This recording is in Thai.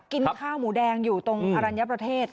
กินข้าวหมูแดงอยู่ตรงอรัญญประเทศ